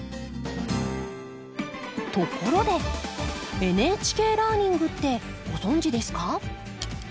ところで「ＮＨＫラーニング」ってご存じですか？